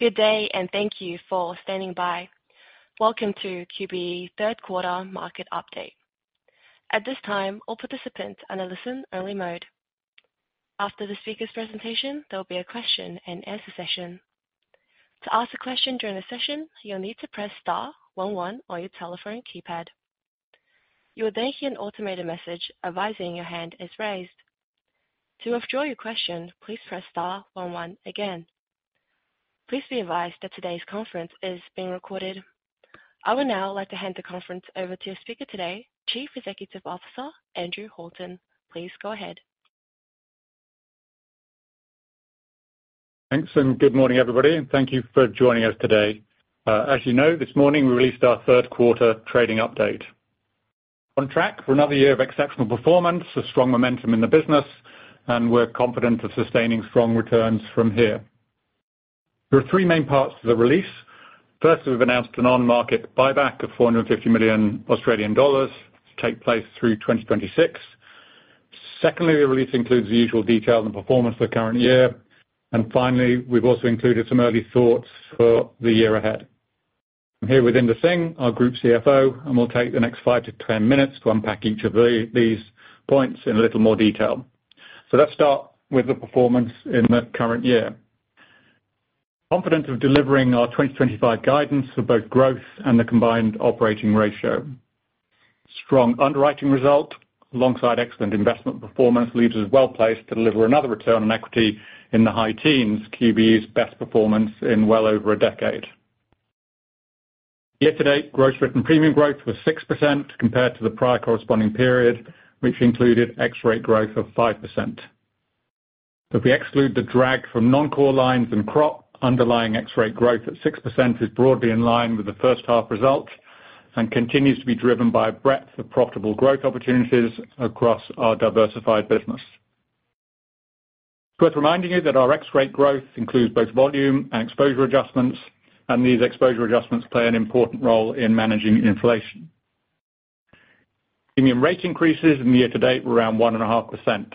Good day, and thank you for standing by. Welcome to QBE's third quarter market update. At this time, all participants are in a listen-only mode. After the speaker's presentation, there will be a Question-and-Answer session. To ask a question during the session, you'll need to press star 11 on your telephone keypad. You will then hear an automated message advising your hand is raised. To withdraw your question, please press star 11 again. Please be advised that today's conference is being recorded. I would now like to hand the conference over to our speaker today, Chief Executive Officer Andrew Horton. Please go ahead. Thanks, and good morning, everybody. And thank you for joining us today. As you know, this morning we released our third quarter trading update. On track for another year of exceptional performance, a strong momentum in the business, and we're confident of sustaining strong returns from here. There are three main parts to the release. First, we've announced an on-market buyback of 450 million Australian dollars to take place through 2026. Secondly, the release includes the usual details and performance for the current year. And finally, we've also included some early thoughts for the year ahead. I'm here with Inder Singh, our Group CFO, and we'll take the next five to 10 minutes to unpack each of these points in a little more detail. So let's start with the performance in the current year. Confident of delivering our 2025 guidance for both growth and the combined operating ratio. Strong underwriting result alongside excellent investment performance leaves us well placed to deliver another Return on Equity in the high teens, QBE's best performance in well over a decade. Yesterday, Gross Written Premium growth was 6% compared to the prior corresponding period, which included ex-rate growth of 5%. If we exclude the drag from non-core lines and crop, underlying ex-rate growth at 6% is broadly in line with the first half results and continues to be driven by a breadth of profitable growth opportunities across our diversified business. It's worth reminding you that our ex-rate growth includes both volume and exposure adjustments, and these exposure adjustments play an important role in managing inflation. Premium rate increases in the year to date were around 1.5%.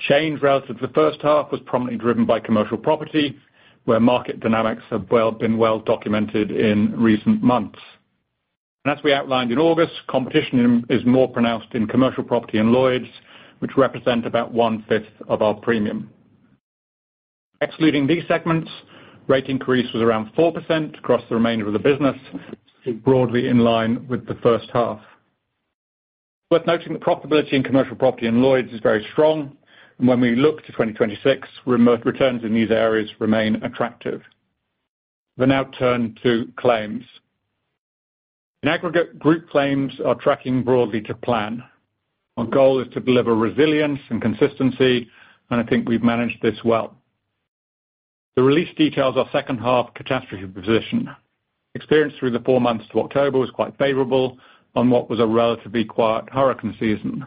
Change relative to the first half was prominently driven by commercial property, where market dynamics have been well documented in recent months. As we outlined in August, competition is more pronounced in commercial property and Lloyd's, which represent about one-fifth of our premium. Excluding these segments, rate increase was around 4% across the remainder of the business, broadly in line with the first half. It's worth noting that profitability in commercial property and Lloyds is very strong, and when we look to 2026, returns in these areas remain attractive. We'll now turn to claims. In aggregate, Group claims are tracking broadly to plan. Our goal is to deliver resilience and consistency, and I think we've managed this well. The release details our second half catastrophe position. Experience through the four months to October was quite favorable on what was a relatively quiet hurricane season,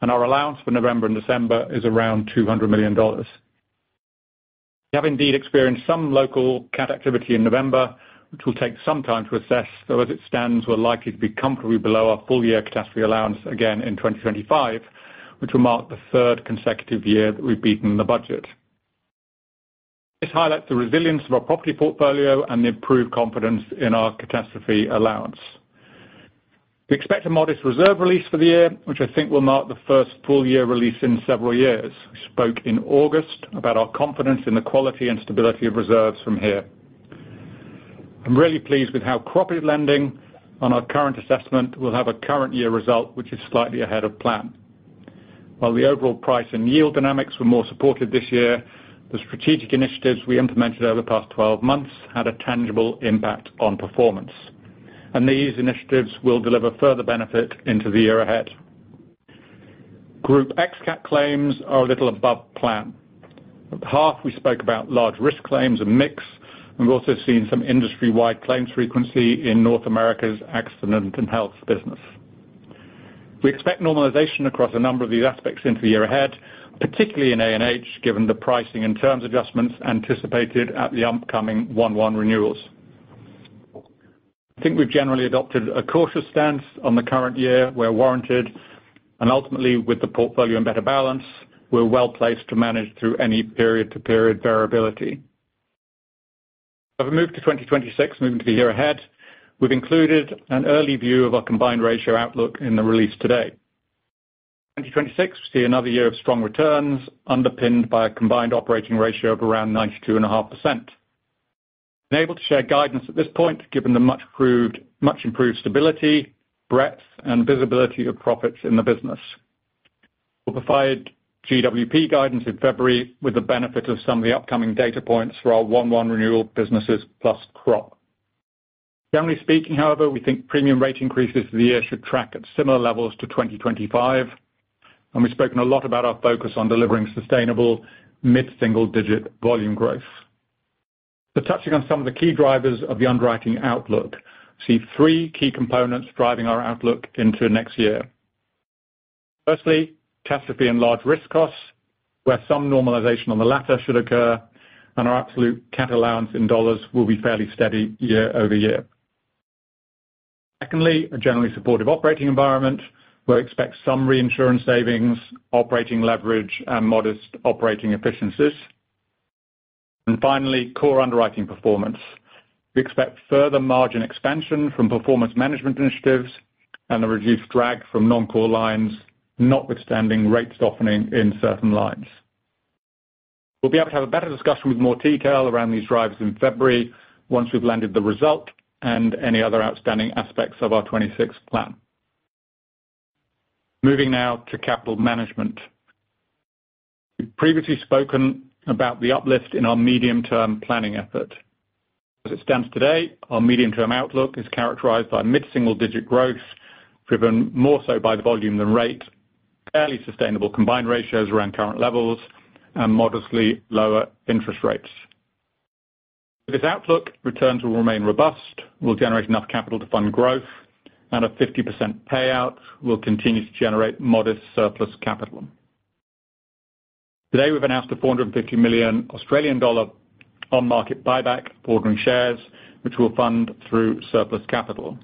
and our allowance for November and December is around $200 million. We have indeed experienced some local cat activity in November, which will take some time to assess, though as it stands, we're likely to be comfortably below our full-year catastrophe allowance again in 2025, which will mark the third consecutive year that we've beaten the budget. This highlights the resilience of our property portfolio and the improved confidence in our catastrophe allowance. We expect a modest reserve release for the year, which I think will mark the first full-year release in several years. We spoke in August about our confidence in the quality and stability of reserves from here. I'm really pleased with how cooperative lending, on our current assessment, will have a current-year result which is slightly ahead of plan. While the overall price and yield dynamics were more supportive this year, the strategic initiatives we implemented over the past 12 months had a tangible impact on performance, and these initiatives will deliver further benefit into the year ahead. Group ex-cat claims are a little above plan. At the half, we spoke about large risk claims, a mix, and we've also seen some industry-wide claims frequency in North America's Accident and Health business. We expect normalization across a number of these aspects into the year ahead, particularly in A&H, given the pricing and terms adjustments anticipated at the upcoming 1-1 renewals. I think we've generally adopted a cautious stance on the current year where warranted, and ultimately, with the portfolio in better balance, we're well placed to manage through any period-to-period variability. As we move to 2026, moving to the year ahead, we've included an early view of our combined ratio outlook in the release today. In 2026, we see another year of strong returns underpinned by a combined operating ratio of around 92.5%. I'm able to share guidance at this point, given the much improved stability, breadth, and visibility of profits in the business. We'll provide GWP guidance in February with the benefit of some of the upcoming data points for our 1-1 renewal businesses plus crop. Generally speaking, however, we think premium rate increases for the year should track at similar levels to 2025, and we've spoken a lot about our focus on delivering sustainable mid-single-digit volume growth. So touching on some of the key drivers of the underwriting outlook, we see three key components driving our outlook into next year. Firstly, catastrophe and large risk costs, where some normalization on the latter should occur, and our absolute cat allowance in dollars will be fairly steady year over year. Secondly, a generally supportive operating environment, where we expect some reinsurance savings, operating leverage, and modest operating efficiencies. And finally, core underwriting performance. We expect further margin expansion from performance management initiatives and a reduced drag from non-core lines, notwithstanding rate softening in certain lines. We'll be able to have a better discussion with more detail around these drivers in February once we've landed the result and any other outstanding aspects of our 2026 plan. Moving now to capital management. We've previously spoken about the uplift in our medium-term planning effort. As it stands today, our medium-term outlook is characterized by mid-single-digit growth driven more so by volume than rate, fairly sustainable combined ratios around current levels, and modestly lower interest rates. With this outlook, returns will remain robust, will generate enough capital to fund growth, and a 50% payout will continue to generate modest surplus capital. Today, we've announced a 450 million Australian dollar on-market buyback for ordinary shares, which we'll fund through surplus capital.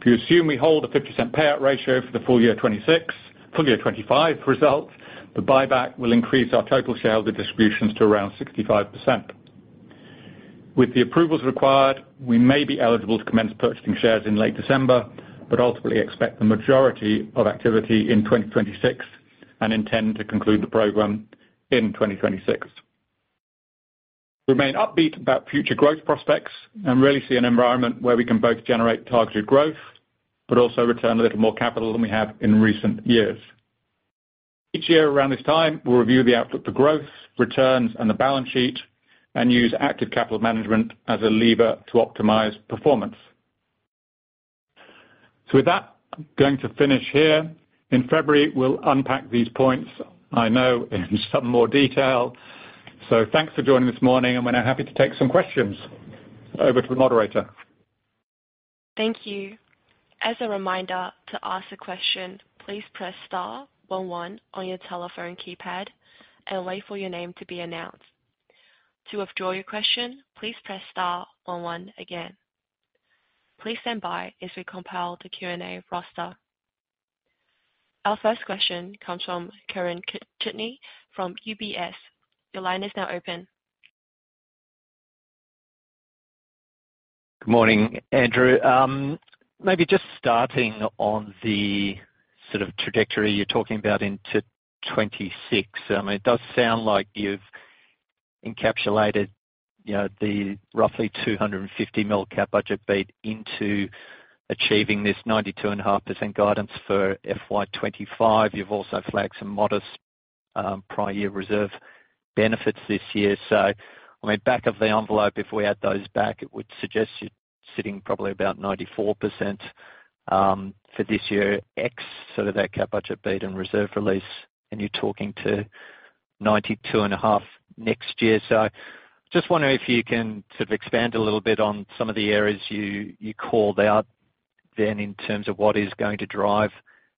If you assume we hold a 50% payout ratio for the full year 2026, full year 2025 result, the buyback will increase our total shareholder distributions to around 65%. With the approvals required, we may be eligible to commence purchasing shares in late December, but ultimately expect the majority of activity in 2026 and intend to conclude the program in 2026. We remain upbeat about future growth prospects and really see an environment where we can both generate targeted growth but also return a little more capital than we have in recent years. Each year around this time, we'll review the outlook for growth, returns, and the balance sheet, and use active capital management as a lever to optimize performance. So with that, I'm going to finish here. In February, we'll unpack these points, I know, in some more detail. So thanks for joining this morning, and we're now happy to take some questions. Over to the moderator. Thank you. As a reminder, to ask a question, please press star 11 on your telephone keypad and wait for your name to be announced. To withdraw your question, please press star 11 again. Please stand by as we compile the Q&A roster. Our first question comes from Kieren Chidgey from UBS. Your line is now open. Good morning, Andrew. Maybe just starting on the sort of trajectory you're talking about into 2026, I mean, it does sound like you've encapsulated the roughly $250 million cat budget beat into achieving this 92.5% guidance for FY25. You've also flagged some modest prior year reserve benefits this year. So, I mean, back of the envelope, if we add those back, it would suggest you're sitting probably about 94% for this year, X, sort of that cat budget beat and reserve release, and you're talking to 92.5% next year. So just wondering if you can sort of expand a little bit on some of the areas you called out then in terms of what is going to drive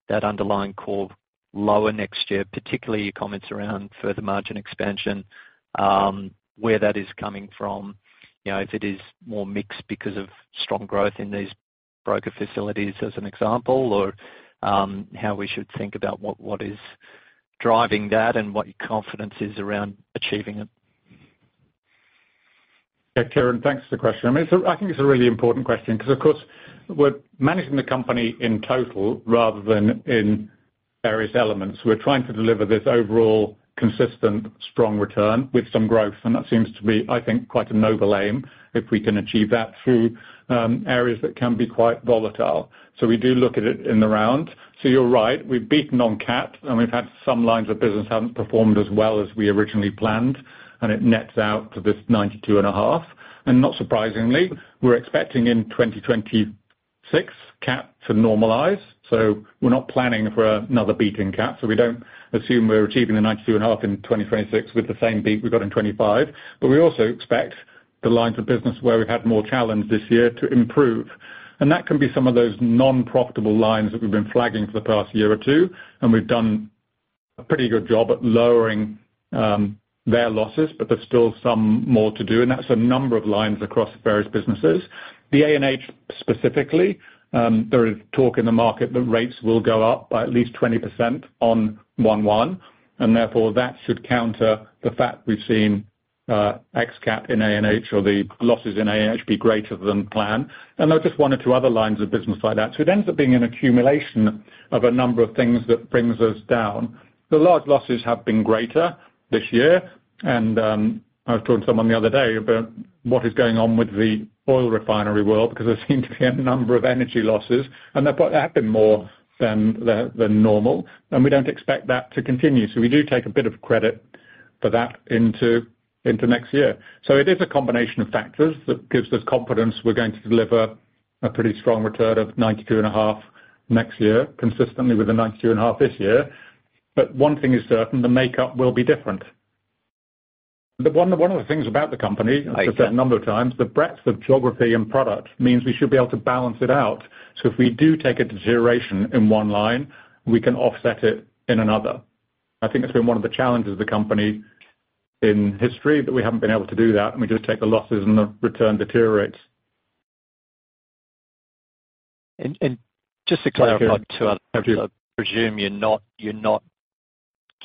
that underlying core lower next year, particularly your comments around further margin expansion, where that is coming from, if it is more mixed because of strong growth in these broker facilities, as an example, or how we should think about what is driving that and what your confidence is around achieving it. Yeah, Kieren, thanks for the question. I mean, I think it's a really important question because, of course, we're managing the company in total rather than in various elements. We're trying to deliver this overall consistent, strong return with some growth, and that seems to be, I think, quite a noble aim if we can achieve that through areas that can be quite volatile. So we do look at it in the round. So you're right. We've beaten on cat, and we've had some lines of business haven't performed as well as we originally planned, and it nets out to this 92.5%. And not surprisingly, we're expecting in 2026 cat to normalize. So we're not planning for another beat in cat. So we don't assume we're achieving the 92.5% in 2026 with the same beat we got in 2025, but we also expect the lines of business where we've had more challenge this year to improve. And that can be some of those non-profitable lines that we've been flagging for the past year or two, and we've done a pretty good job at lowering their losses, but there's still some more to do. And that's a number of lines across various businesses. The A&H specifically, there is talk in the market that rates will go up by at least 20% on 1-1, and therefore that should counter the fact we've seen ex-cat in A&H or the losses in A&H be greater than planned. And there are just one or two other lines of business like that. It ends up being an accumulation of a number of things that brings us down. The large losses have been greater this year, and I was talking to someone the other day about what is going on with the oil refinery world because there seem to be a number of energy losses, and they've been more than normal, and we don't expect that to continue. We do take a bit of credit for that into next year. It is a combination of factors that gives us confidence we're going to deliver a pretty strong return of 92.5% next year, consistent with the 92.5% this year. One thing is certain, the makeup will be different. One of the things about the company, as I said a number of times, the breadth of geography and product means we should be able to balance it out. So if we do take a deterioration in one line, we can offset it in another. I think it's been one of the challenges of the company in history that we haven't been able to do that, and we just take the losses and the return deteriorates. And just to clarify on two others. Absolutely. I presume you're not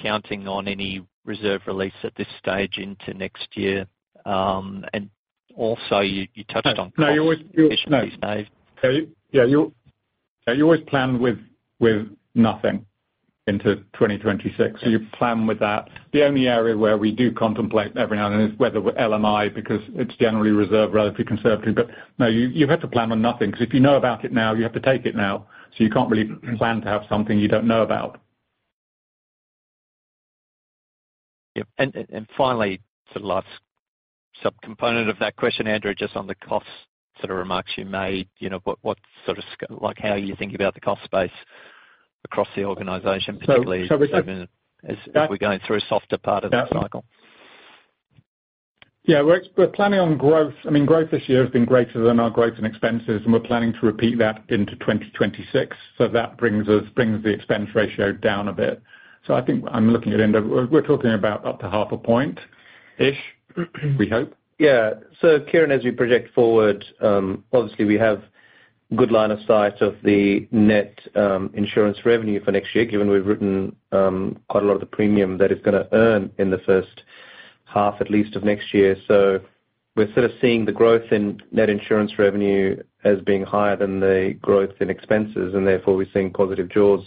counting on any reserve release at this stage into next year. And also, you touched on. No. You always plan with nothing into 2026. So you plan with that. The only area where we do contemplate every now and then is whether LMI because it's generally reserving rather than conservative. But no, you have to plan on nothing because if you know about it now, you have to take it now. So you can't really plan to have something you don't know about. Yep. And finally, sort of last sub-component of that question, Andrew, just on the cost sort of remarks you made, what sort of how you think about the cost space across the organization, particularly as we're going through a softer part of the cycle? Yeah. We're planning on growth. I mean, growth this year has been greater than our growth in expenses, and we're planning to repeat that into 2026. So that brings the expense ratio down a bit. So I think I'm looking at, we're talking about up to 0.5 point-ish, we hope. Yeah. So Kieran, as we project forward, obviously, we have a good line of sight of the net insurance revenue for next year, given we've written quite a lot of the premium that it's going to earn in the first half, at least, of next year. So we're sort of seeing the growth in net insurance revenue as being higher than the growth in expenses, and therefore we're seeing positive jaws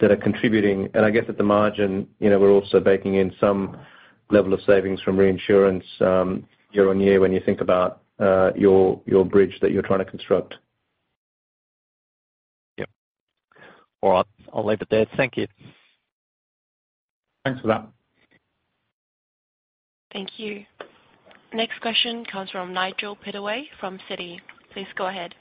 that are contributing. And I guess at the margin, we're also baking in some level of savings from reinsurance year on year when you think about your bridge that you're trying to construct. Yep. All right. I'll leave it there. Thank you. Thanks for that. Thank you. Next question comes from Nigel Pittaway from Citi. Please go ahead.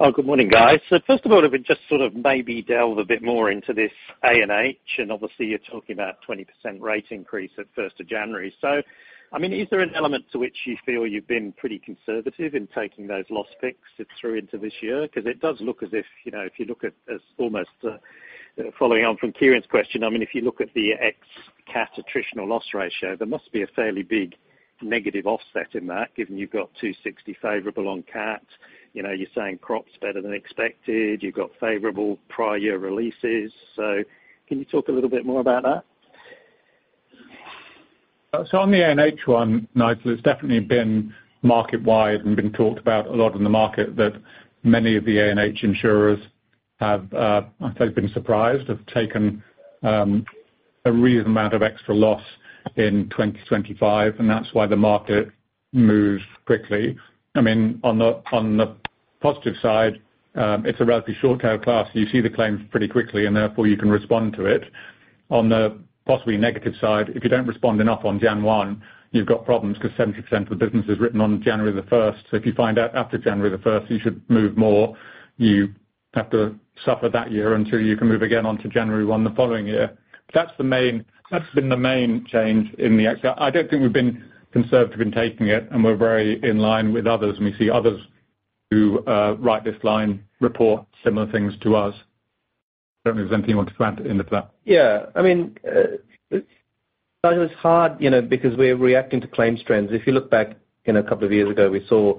Oh, good morning, guys. So first of all, if we just sort of maybe delve a bit more into this A&H, and obviously, you're talking about a 20% rate increase at 1st of January. So, I mean, is there an element to which you feel you've been pretty conservative in taking those loss picks through into this year? Because it does look as if, if you look at almost following on from Kieran's question, I mean, if you look at the ex-cat attritional loss ratio, there must be a fairly big negative offset in that, given you've got 260 favorable on cat. You're saying crop's better than expected. You've got favorable prior year releases. So can you talk a little bit more about that? On the A&H one, Nigel, it's definitely been market-wide and been talked about a lot in the market that many of the A&H insurers have, I'd say, been surprised have taken a reasonable amount of extra loss in 2025, and that's why the market moves quickly. I mean, on the positive side, it's a relatively short-term class. You see the claims pretty quickly, and therefore you can respond to it. On the possibly negative side, if you don't respond enough on January 1, you've got problems because 70% of the business is written on January the 1st. So if you find out after January the 1st, you should move more. You have to suffer that year until you can move again onto January 1 the following year. That's been the main change in the X. I don't think we've been conservative in taking it, and we're very in line with others. And we see others who write this line report similar things to us. I don't know if there's anything you want to add into that. Yeah. I mean, Nigel, it's hard because we're reacting to claims trends. If you look back a couple of years ago, we saw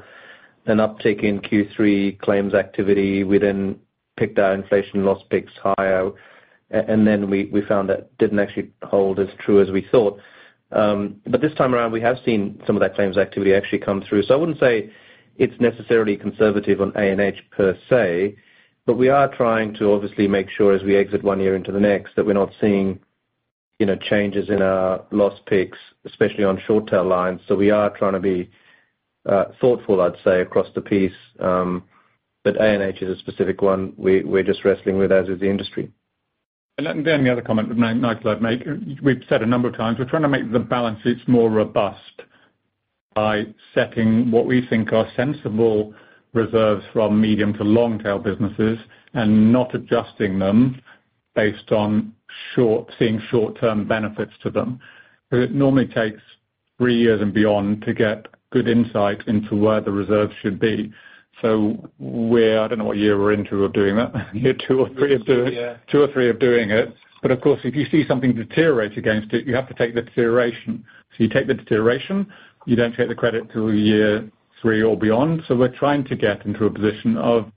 an uptick in Q3 claims activity. We then picked our inflation loss picks higher, and then we found that didn't actually hold as true as we thought. But this time around, we have seen some of that claims activity actually come through. So I wouldn't say it's necessarily conservative on A&H per se, but we are trying to obviously make sure as we exit one year into the next that we're not seeing changes in our loss picks, especially on short-term lines. So we are trying to be thoughtful, I'd say, across the piece. But A&H is a specific one we're just wrestling with as is the industry. Then the other comment, Nigel, I'd make. We've said a number of times, we're trying to make the balance sheets more robust by setting what we think are sensible reserves from medium to long-term businesses and not adjusting them based on seeing short-term benefits to them. Because it normally takes three years and beyond to get good insight into where the reserves should be. So I don't know what year we're into of doing that, year two or three of doing it. Two or three of doing it. But of course, if you see something deteriorate against it, you have to take the deterioration. So you take the deterioration. You don't take the credit till year three or beyond. So we're trying to get into a position of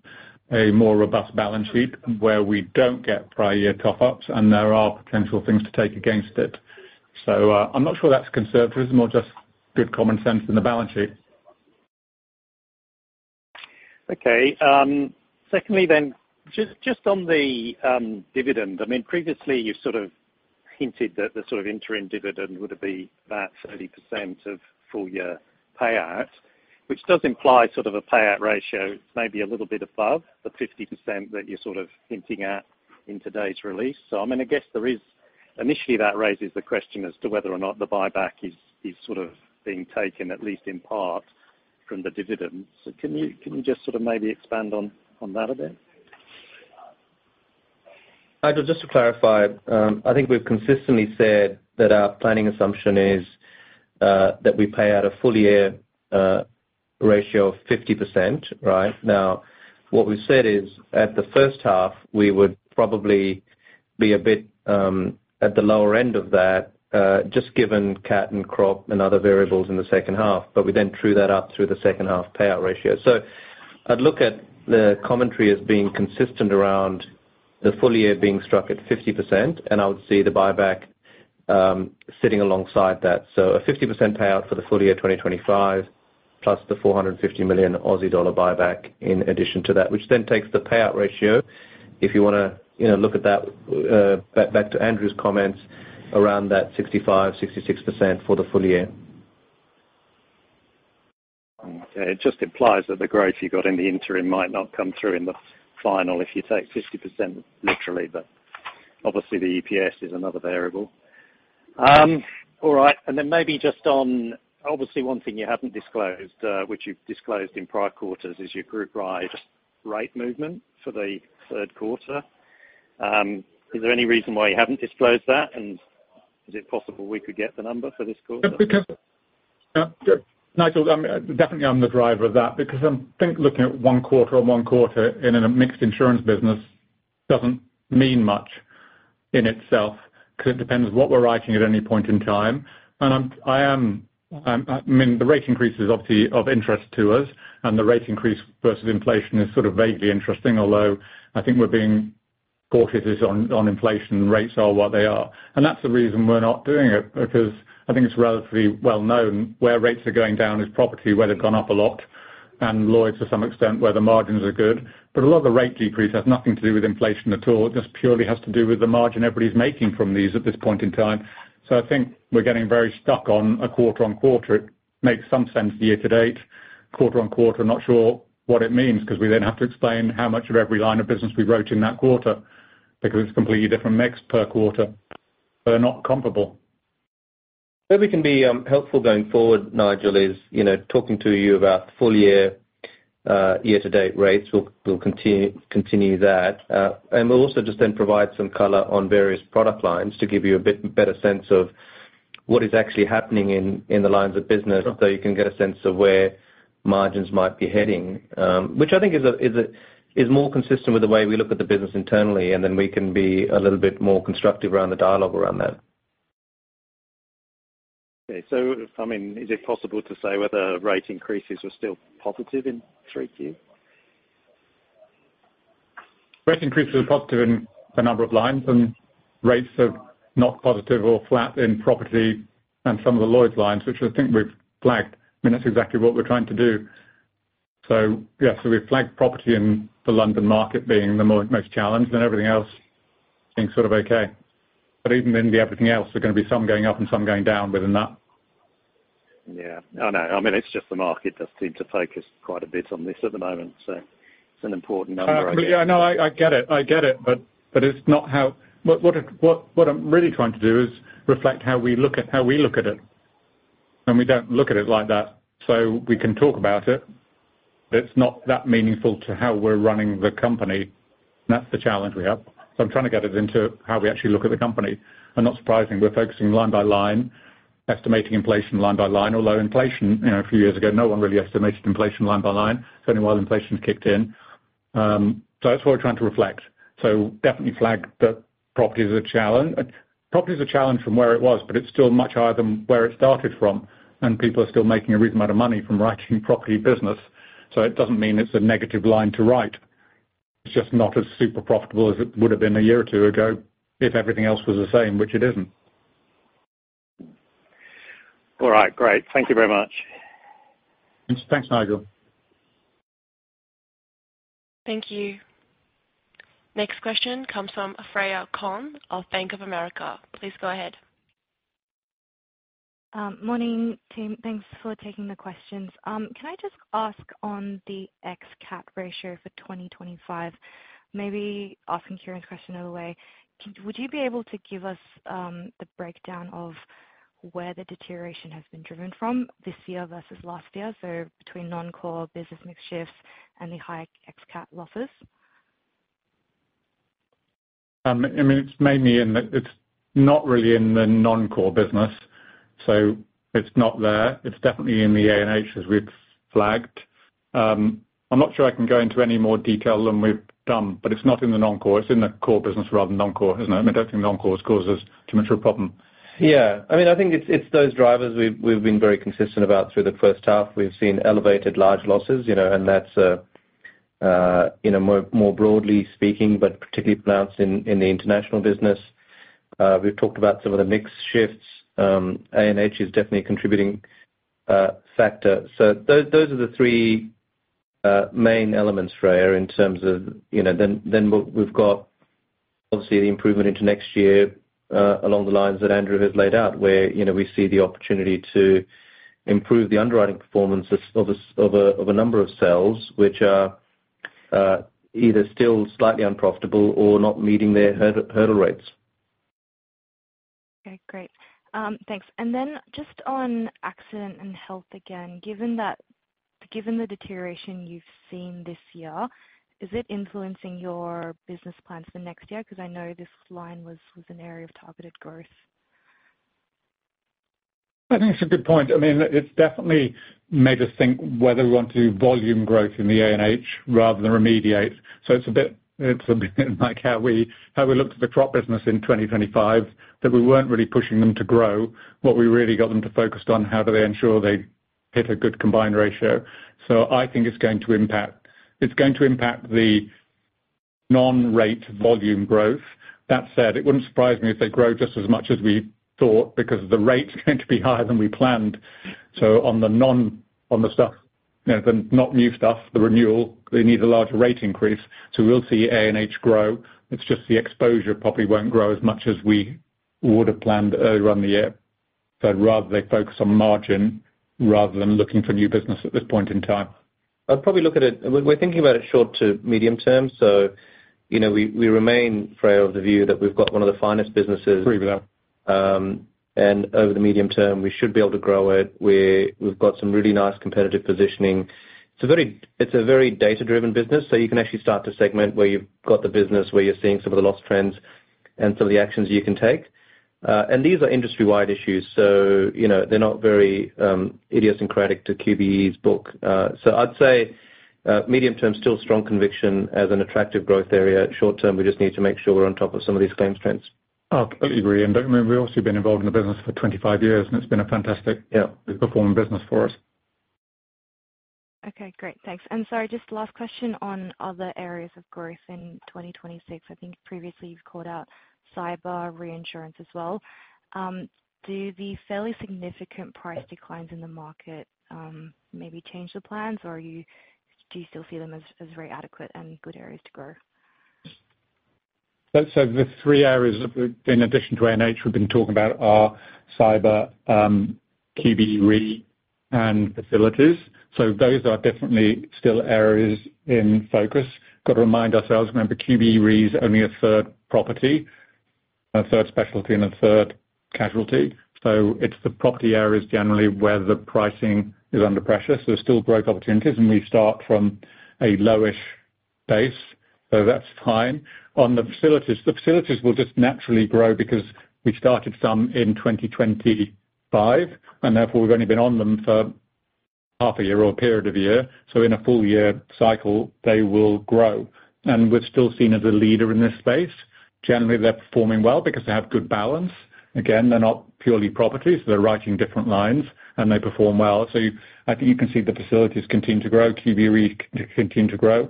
a more robust balance sheet where we don't get prior year top-ups, and there are potential things to take against it. I'm not sure that's conservatism or just good common sense in the balance sheet. Okay. Secondly then, just on the dividend, I mean, previously you sort of hinted that the sort of interim dividend would be about 30% of full-year payout, which does imply sort of a payout ratio maybe a little bit above the 50% that you're sort of hinting at in today's release. So I mean, I guess initially that raises the question as to whether or not the buyback is sort of being taken, at least in part, from the dividends. So can you just sort of maybe expand on that a bit? Nigel, just to clarify, I think we've consistently said that our planning assumption is that we pay out a full-year ratio of 50%, right? Now, what we've said is at the first half, we would probably be a bit at the lower end of that, just given cat and crop and other variables in the second half, but we then true that up through the second half payout ratio. So I'd look at the commentary as being consistent around the full-year being struck at 50%, and I would see the buyback sitting alongside that. So a 50% payout for the full-year 2025 plus the 450 million Aussie dollar buyback in addition to that, which then takes the payout ratio, if you want to look at that, back to Andrew's comments around that 65%, 66% for the full-year. Okay. It just implies that the growth you got in the interim might not come through in the final if you take 50% literally, but obviously the EPS is another variable. All right. And then maybe just on obviously one thing you haven't disclosed, which you've disclosed in prior quarters, is your group-wide rate movement for the third quarter. Is there any reason why you haven't disclosed that? And is it possible we could get the number for this quarter? Yeah. Nigel, definitely I'm the driver of that because I think looking at one quarter on one quarter in a mixed insurance business doesn't mean much in itself because it depends what we're writing at any point in time. And I mean, the rate increase is obviously of interest to us, and the rate increase versus inflation is sort of vaguely interesting, although I think we're being cautious on inflation and rates are what they are. And that's the reason we're not doing it because I think it's relatively well known where rates are going down is property, where they've gone up a lot, and Lloyd's to some extent where the margins are good. But a lot of the rate decrease has nothing to do with inflation at all. It just purely has to do with the margin everybody's making from these at this point in time. So, I think we're getting very stuck on a quarter on quarter. It makes some sense year to date. Quarter-on-quarter, not sure what it means because we then have to explain how much of every line of business we wrote in that quarter because it's a completely different mix per quarter. They're not comparable. Where we can be helpful going forward, Nigel, is talking to you about full-year year-to-date rates. We'll continue that. And we'll also just then provide some color on various product lines to give you a bit better sense of what is actually happening in the lines of business so you can get a sense of where margins might be heading, which I think is more consistent with the way we look at the business internally, and then we can be a little bit more constructive around the dialogue around that. Okay, so I mean, is it possible to say whether rate increases are still positive in 3Q? Rate increases are positive in a number of lines, and rates are not positive or flat in property and some of the Lloyd's lines, which I think we've flagged. I mean, that's exactly what we're trying to do. So yeah, so we've flagged property and the London market being the most challenged, and everything else being sort of okay. But even in the everything else, there's going to be some going up and some going down within that. Yeah. I know. I mean, it's just the market does seem to focus quite a bit on this at the moment. So it's an important number, I guess. Yeah. No, I get it. I get it, but it's not how what I'm really trying to do is reflect how we look at how we look at it, and we don't look at it like that, so we can talk about it, but it's not that meaningful to how we're running the company, and that's the challenge we have, so I'm trying to get it into how we actually look at the company, and not surprising, we're focusing line by line, estimating inflation line by line, although inflation a few years ago, no one really estimated inflation line by line. It's only while inflation kicked in, so that's what we're trying to reflect, so definitely flag that property is a challenge. Property is a challenge from where it was, but it's still much higher than where it started from, and people are still making a reasonable amount of money from writing property business. So it doesn't mean it's a negative line to write. It's just not as super profitable as it would have been a year or two ago if everything else was the same, which it isn't. All right. Great. Thank you very much. Thanks, Nigel. Thank you. Next question comes from Freya Kong of Bank of America. Please go ahead. Morning, team. Thanks for taking the questions. Can I just ask on the ex-cat ratio for 2025? Maybe asking Kieran's question other way. Would you be able to give us the breakdown of where the deterioration has been driven from this year versus last year, so between non-core business mix shifts and the high ex-cat losses? I mean, it's mainly in the. It's not really in the non-core business, so it's not there. It's definitely in the A&H as we've flagged. I'm not sure I can go into any more detail than we've done, but it's not in the non-core. It's in the core business rather than non-core, isn't it? I mean, I don't think non-cores cause us too much of a problem. Yeah. I mean, I think it's those drivers we've been very consistent about through the first half. We've seen elevated large losses, and that's more broadly speaking, but particularly pronounced in the international business. We've talked about some of the mixed shifts. A&H is definitely a contributing factor. So those are the three main elements, Freya, in terms of then we've got obviously the improvement into next year along the lines that Andrew has laid out, where we see the opportunity to improve the underwriting performance of a number of cells, which are either still slightly unprofitable or not meeting their hurdle rates. Okay. Great. Thanks. And then just on accident and health again, given the deterioration you've seen this year, is it influencing your business plans for next year? Because I know this line was an area of targeted growth. I think it's a good point. I mean, it's definitely made us think whether we want to do volume growth in the A&H rather than remediate, so it's a bit like how we looked at the crop business in 2025, that we weren't really pushing them to grow. What we really got them to focus on, how do they ensure they hit a good combined ratio? So I think it's going to impact. It's going to impact the non-rate volume growth. That said, it wouldn't surprise me if they grow just as much as we thought because the rate's going to be higher than we planned, so on the stuff, the not new stuff, the renewal, they need a larger rate increase, so we'll see A&H grow. It's just the exposure probably won't grow as much as we would have planned earlier on the year. Rather, they focus on margin rather than looking for new business at this point in time. I'd probably look at it. We're thinking about it short to medium term. So we remain, Freya, of the view that we've got one of the finest businesses. Agree with that. Over the medium term, we should be able to grow it. We've got some really nice competitive positioning. It's a very data-driven business, so you can actually start to segment where you've got the business, where you're seeing some of the loss trends and some of the actions you can take. These are industry-wide issues, so they're not very idiosyncratic to QBE's book. I'd say medium term still strong conviction as an attractive growth area. Short term, we just need to make sure we're on top of some of these claims trends. I completely agree, and I mean, we've obviously been involved in the business for 25 years, and it's been a fantastic performing business for us. Okay. Great. Thanks. And sorry, just last question on other areas of growth in 2026. I think previously you've called out cyber reinsurance as well. Do the fairly significant price declines in the market maybe change the plans, or do you still see them as very adequate and good areas to grow? The three areas that, in addition to A&H, we've been talking about are cyber, QBE Re, and facilities. Those are definitely still areas in focus. Got to remind ourselves, remember, QBE Re is only a third property, a third specialty, and a third casualty. It's the property areas generally where the pricing is under pressure. There's still growth opportunities, and we start from a low-ish base. That's fine. On the facilities, the facilities will just naturally grow because we started some in 2025, and therefore we've only been on them for half a year or a period of year. In a full-year cycle, they will grow. We're still seen as a leader in this space. Generally, they're performing well because they have good balance. Again, they're not purely property, so they're writing different lines, and they perform well. So I think you can see the facilities continue to grow, QBE Re continue to grow.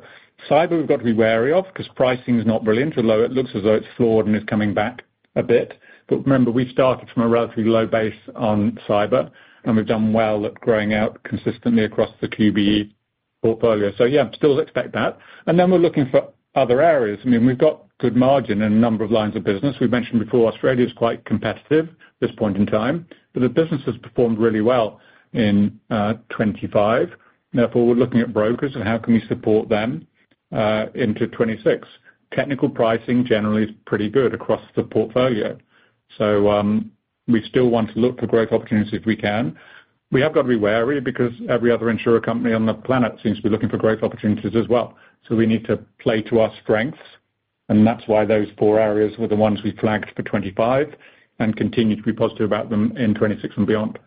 Cyber, we've got to be wary of because pricing is not brilliant. Although it looks as though it's flat and is coming back a bit. But remember, we've started from a relatively low base on cyber, and we've done well at growing out consistently across the QBE portfolio. So yeah, still expect that. And then we're looking for other areas. I mean, we've got good margin and a number of lines of business. We've mentioned before Australia is quite competitive at this point in time, but the business has performed really well in 2025. Therefore, we're looking at brokers and how can we support them into 2026. Technical pricing generally is pretty good across the portfolio. So we still want to look for growth opportunities if we can. We have got to be wary because every other insurance company on the planet seems to be looking for growth opportunities as well. So we need to play to our strengths, and that's why those four areas were the ones we flagged for 2025 and continue to be positive about them in 2026 and beyond.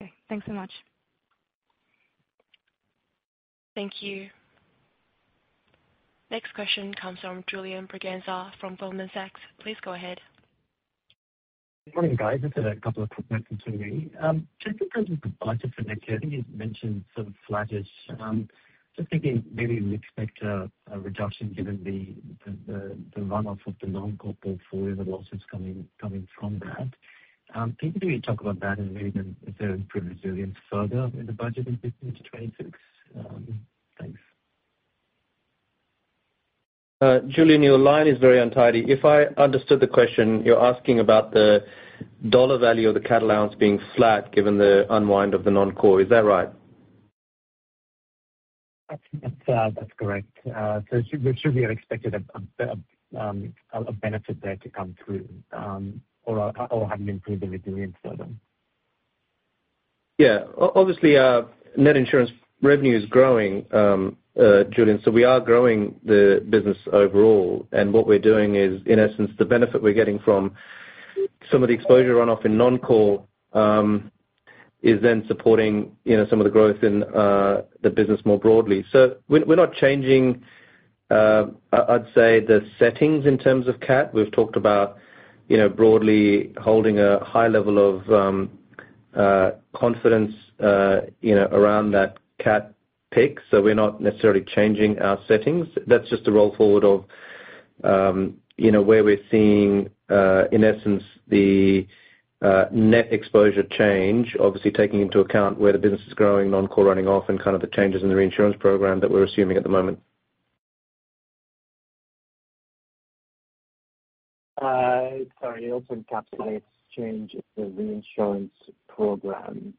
Okay. Thanks so much. Thank you. Next question comes from Julian Braganza from Goldman Sachs. Please go ahead. Good morning, guys. It's a couple of quick notes from QBE. Just in terms of the budget for next year, I think you've mentioned sort of flat-ish. Just thinking maybe we'd expect a reduction given the run-off of the non-core portfolio and the losses coming from that. Can you talk about that and maybe the improved resilience further in the budget into 2026? Thanks. Julian, your line is very untidy. If I understood the question, you're asking about the dollar value of the CAT allowance being flat given the unwind of the non-core. Is that right? That's correct. So it should be an expected benefit there to come through or having improved the resilience further. Yeah. Obviously, net insurance revenue is growing, Julian. So we are growing the business overall. And what we're doing is, in essence, the benefit we're getting from some of the exposure run-off in non-core is then supporting some of the growth in the business more broadly. So we're not changing, I'd say, the settings in terms of CAT. We've talked about broadly holding a high level of confidence around that CAT pick. So we're not necessarily changing our settings. That's just a roll forward of where we're seeing, in essence, the net exposure change, obviously taking into account where the business is growing, non-core running off, and kind of the changes in the reinsurance program that we're assuming at the moment. Sorry. It also encapsulates change in the reinsurance program.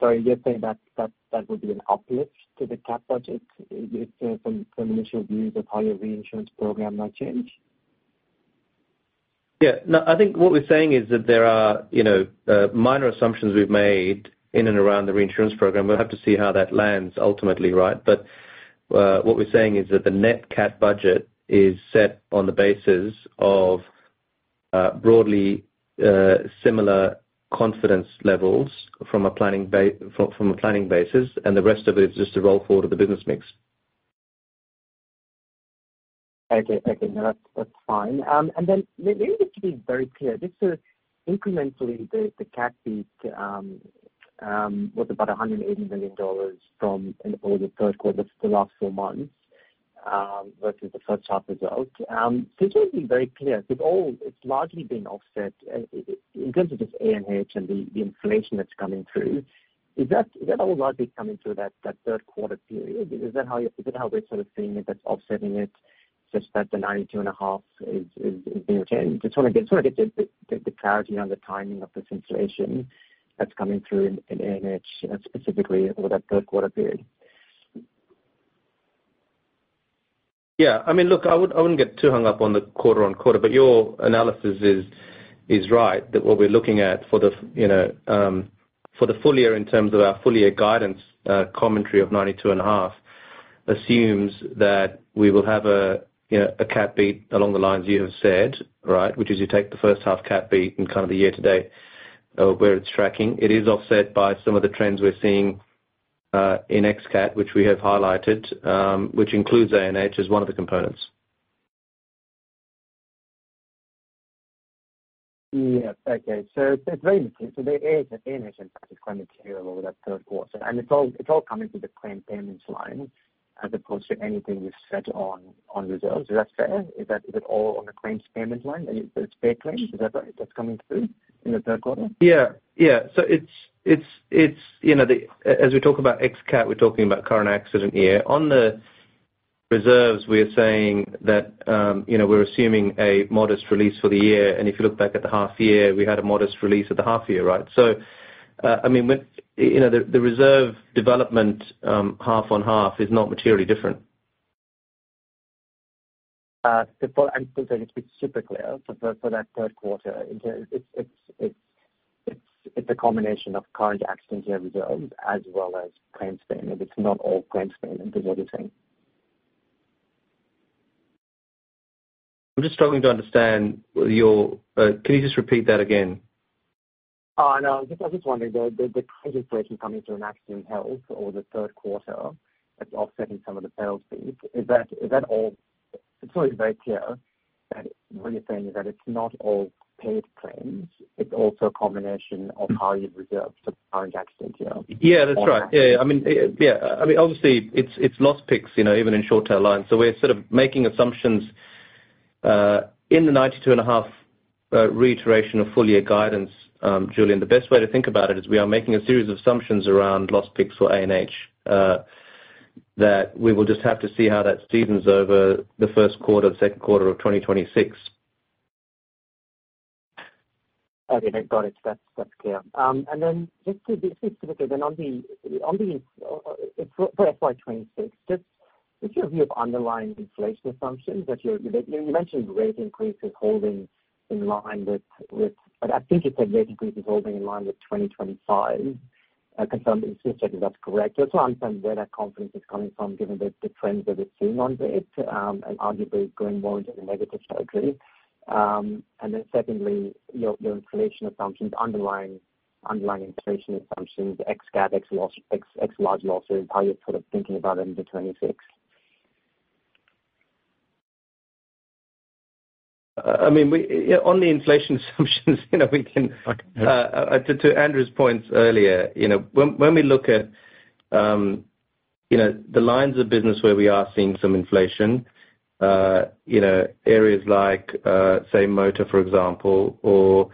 Sorry, you're saying that that would be an uplift to the CAT budget? Is there some initial views of how your reinsurance program might change? Yeah. No, I think what we're saying is that there are minor assumptions we've made in and around the reinsurance program. We'll have to see how that lands ultimately, right? But what we're saying is that the net CAT budget is set on the basis of broadly similar confidence levels from a planning basis, and the rest of it is just a roll forward of the business mix. Okay. Okay. No, that's fine. And then maybe just to be very clear, just to incrementally, the CAT beat was about $180 million over the third quarter for the last four months versus the first half result. So just to be very clear, it's largely been offset in terms of just ANH and the inflation that's coming through. Is that all likely coming through that third quarter period? Is that how we're sort of seeing it, that's offsetting it such that the 92.5% is being retained? Just want to get the clarity on the timing of this inflation that's coming through in ANH specifically over that third quarter period. Yeah. I mean, look, I wouldn't get too hung up on the quarter-on-quarter, but your analysis is right that what we're looking at for the full year in terms of our full-year guidance commentary of 92.5% assumes that we will have a CAT beat along the lines you have said, right, which is you take the first half CAT beat and kind of the year-to-date where it's tracking. It is offset by some of the trends we're seeing in ex-cat, which we have highlighted, which includes A&H as one of the components. Yes. Okay. So it's very interesting. So the A&H impact is quite material over that third quarter. And it's all coming through the claim payments line as opposed to anything we've set on reserves. Is that fair? Is it all on the claims payment line, the straight claims? Is that right? That's coming through in the third quarter? Yeah. Yeah. So as we talk about ex-cat, we're talking about current accident year. On the reserves, we are saying that we're assuming a modest release for the year. And if you look back at the half year, we had a modest release of the half year, right? So I mean, the reserve development half-on-half is not materially different. It's super clear for that third quarter. It's a combination of current accident year reserves as well as claims payment. It's not all claims payment, is what you're saying? I'm just struggling to understand. Can you just repeat that again? Oh, no. I was just wondering, the claims inflation coming through in Accident and Health over the third quarter, that's offsetting some of the sales beat. Is that all? It's always very clear that what you're saying is that it's not all paid claims. It's also a combination of how you've reserved for current accident year. Yeah. That's right. Yeah. I mean, yeah. I mean, obviously, it's loss picks even in short-term lines. So we're sort of making assumptions in the 92.5% reiteration of full-year guidance, Julian. The best way to think about it is we are making a series of assumptions around loss picks for A&H that we will just have to see how that steadies over the first quarter, the second quarter of 2026. Okay. Thanks. Got it. That's clear. And then just to be specific, then on the for FY26, just your view of underlying inflation assumptions that you're mentioned rate increases holding in line with I think you said rate increases holding in line with 2025. I'm just checking if that's correct. So I understand where that confidence is coming from given the trends that we're seeing on rate and arguably going more into the negative territory. And then secondly, your inflation assumptions, underlying inflation assumptions, ex-cat, ex-large losses, how you're sort of thinking about it into 2026. I mean, on the inflation assumptions, we can tie to Andrew's points earlier, when we look at the lines of business where we are seeing some inflation, areas like, say, motor, for example, or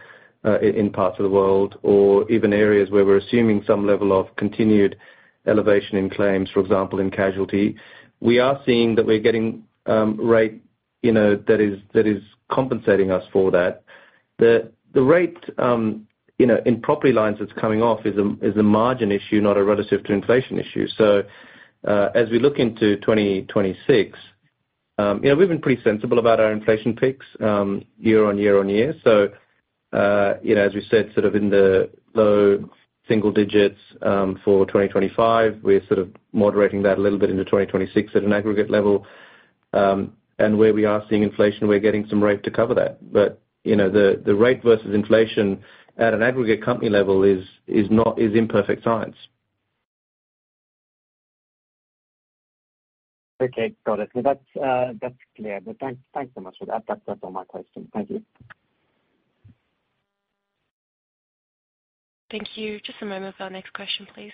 in parts of the world, or even areas where we're assuming some level of continued elevation in claims, for example, in casualty. We are seeing that we're getting rate that is compensating us for that. The rate in property lines that's coming off is a margin issue, not a relative to inflation issue. As we look into 2026, we've been pretty sensible about our inflation picks year on year on year, so as we said, sort of in the low single digits for 2025, we're sort of moderating that a little bit into 2026 at an aggregate level, and where we are seeing inflation, we're getting some rate to cover that. But the rate versus inflation at an aggregate company level is imperfect science. Okay. Got it. So that's clear. But thanks so much for that. That's all my questions. Thank you. Thank you. Just a moment for our next question, please.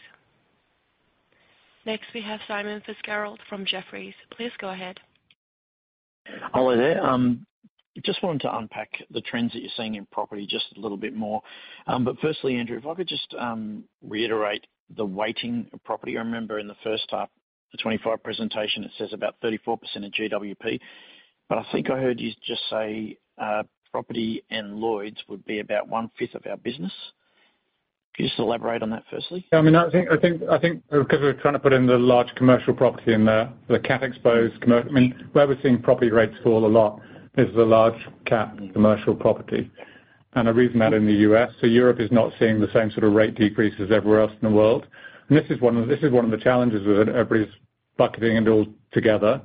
Next, we have Simon Fitzgerald from Jefferies. Please go ahead. Hi, there. Just wanted to unpack the trends that you're seeing in property just a little bit more. But firstly, Andrew, if I could just reiterate the weighting of property. I remember in the first half of the 2025 presentation, it says about 34% of GWP. But I think I heard you just say property and Lloyd's would be about one-fifth of our business. Could you just elaborate on that firstly? Yeah. I mean, I think because we're trying to put in the large commercial property in there, the CAT exposed commercial. I mean, where we're seeing property rates fall a lot is the large CAT commercial property. And I reckon that in the U.S. So Europe is not seeing the same sort of rate decrease as everywhere else in the world. And this is one of the challenges with everybody's bucketing it all together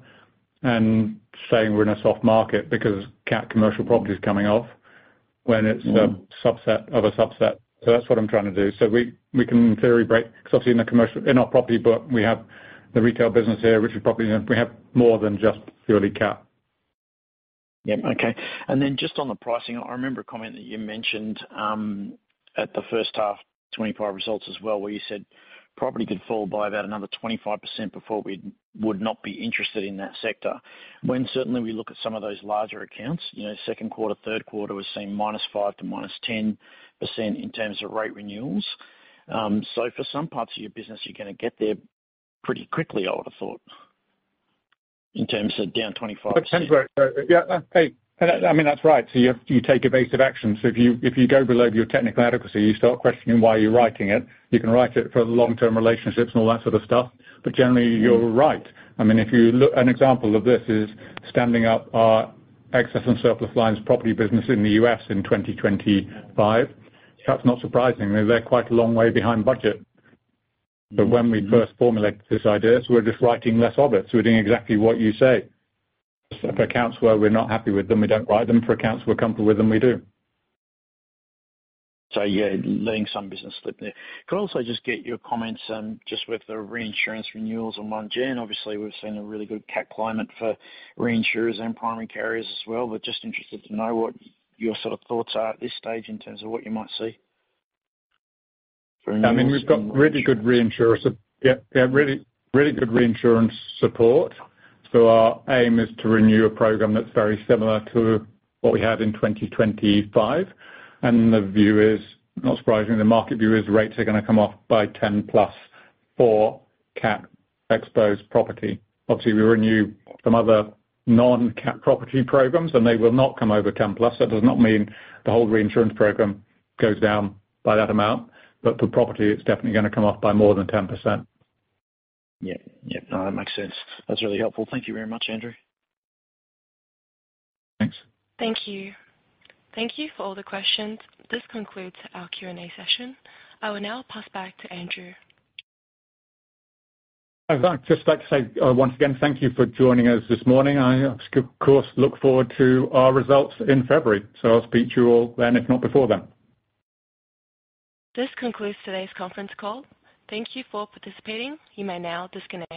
and saying we're in a soft market because CAT commercial property is coming off when it's a subset of a subset. So that's what I'm trying to do. So we can, in theory, break because obviously in our property book, we have the retail business here, which is property, and we have more than just purely CAT. Yeah. Okay. And then just on the pricing, I remember a comment that you mentioned at the first half 2025 results as well where you said property could fall by about another 25% before we would not be interested in that sector. When certainly we look at some of those larger accounts, second quarter, third quarter, we're seeing minus 5% to minus 10% in terms of rate renewals. So for some parts of your business, you're going to get there pretty quickly, I would have thought, in terms of down 25%. But yeah. Hey, I mean, that's right. So you take evasive actions. So if you go below your technical adequacy, you start questioning why you're writing it. You can write it for the long-term relationships and all that sort of stuff. But generally, you're right. I mean, an example of this is standing up our Excess and Surplus lines property business in the US in 2025. That's not surprising. They're quite a long way behind budget. But when we first formulated this idea, we're just writing less of it. So we're doing exactly what you say. For accounts where we're not happy with them, we don't write them. For accounts we're comfortable with them, we do. So yeah, letting some business slip there. Could I also just get your comments just with the reinsurance renewals on Monday? Obviously, we've seen a really good CAT climate for reinsurers and primary carriers as well. But just interested to know what your sort of thoughts are at this stage in terms of what you might see. I mean, we've got really good reinsurance. Yeah. Really good reinsurance support. So our aim is to renew a program that's very similar to what we had in 2025. And the view is, not surprisingly, the market view is rates are going to come off by 10% plus for CAT exposed property. Obviously, we renew some other non-CAT property programs, and they will not come over 10%+. That does not mean the whole reinsurance program goes down by that amount. But for property, it's definitely going to come off by more than 10%. Yeah. Yeah. No, that makes sense. That's really helpful. Thank you very much, Andrew. Thanks. Thank you. Thank you for all the questions. This concludes our Q&A session. I will now pass back to Andrew. I'd like to say once again, thank you for joining us this morning. I, of course, look forward to our results in February. So I'll speak to you all then, if not before then. This concludes today's conference call. Thank you for participating. You may now disconnect.